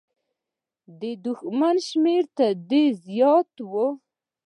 د دښمن شمېر تر دوی ډېر زيات و.